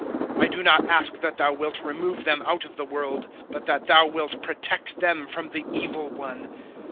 017:015 I do not ask that Thou wilt remove them out of the world, but that Thou wilt protect them from the Evil one.